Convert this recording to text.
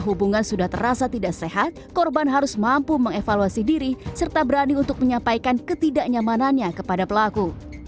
hubungan sudah terasa tidak sehat korban harus mampu mengevaluasi diri serta berani untuk menyampaikan ketidaknyamanannya kepada pelaku